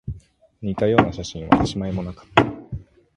似たような写真は一枚もなかった